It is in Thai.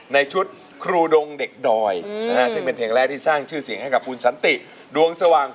ในชุดครูดงเด็กดอยนะฮะซึ่งเป็นเพลงแรกที่สร้างชื่อเสียงให้กับคุณสันติดวงสว่าง